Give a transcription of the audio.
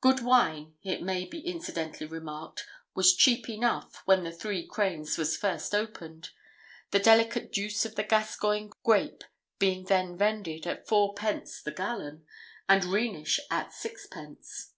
Good wine, it may be incidentally remarked, was cheap enough when the Three Cranes was first opened, the delicate juice of the Gascoign grape being then vended, at fourpence the gallon, and Rhenish at sixpence!